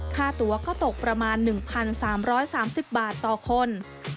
ค่าตัวก็ตกประมาณ๑๓๓๐บาทต่อคน